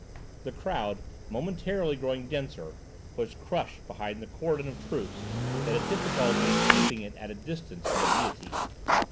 The crowd, momentarily growing denser, was crushed behind the cordon of troops that had difficulty in keeping it at a distance from the guillotine.